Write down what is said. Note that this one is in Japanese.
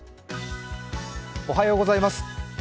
おはようございます。